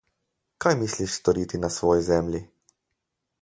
Kaj misliš storiti na svoji zemlji?